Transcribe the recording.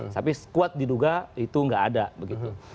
tapi sekuat diduga itu nggak ada begitu